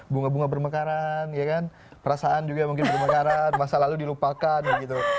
bunga bunga bermekaran ya kan perasaan juga mungkin bermekaran masa lalu dilupakan gitu